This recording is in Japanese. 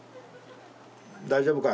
大丈夫か？